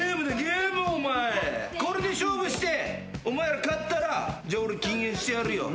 これで勝負してお前ら勝ったらじゃあ俺禁煙してやるよ。